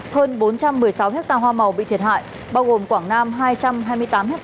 hơn bốn trăm một mươi sáu ha hoa màu bị thiệt hại bao gồm quảng nam hai trăm hai mươi tám ha